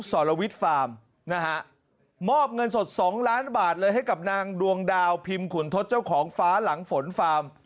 สรวิทย์ฟาร์มนะฮะมอบเงินสด๒ล้านบาทเลยให้กับนางดวงดาวพิมพ์ขุนทศเจ้าของฟ้าหลังฝนฟาร์ม